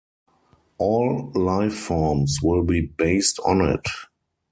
All life forms will be based on it.